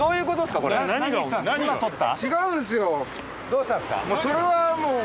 どうしたんですか？